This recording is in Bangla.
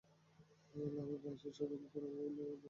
লাশের শরীরে পোড়া মবিল লাগিয়ে গলায় গামছা পেঁচিয়ে ঝুলিয়ে রাখা হয়।